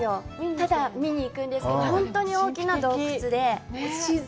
ただ見に行くんですけど、本当に大きな洞窟で。